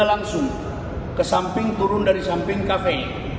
kita langsung ke samping turun dari samping kafe